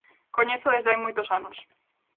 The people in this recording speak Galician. Coñézoo desde hai moitos anos.